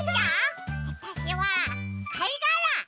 わたしはかいがら！